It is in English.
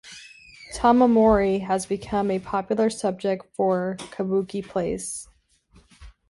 Tomomori has become a popular subject for kabuki plays.